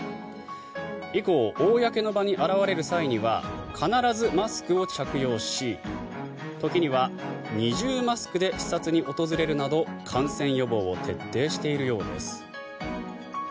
以降、公の場に現れる際には必ずマスクを着用し時には、二重マスクで視察に訪れるなど感染予防を徹底しているようです。